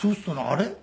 「あれ？